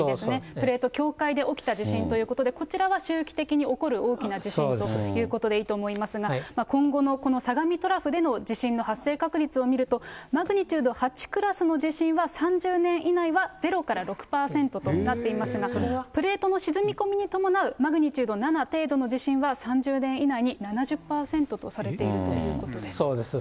プレート境界で起きた地震ということで、こちらは周期的に起こる大きな地震ということでいいと思いますが、今後のこの相模トラフでの地震の発生確率を見ると、マグニチュード８クラスの地震は、３０年以内は０から６％となっていますが、プレートの沈み込みに伴う、マグニチュード７程度の地震は３０年以内に７０％とされているとそうです。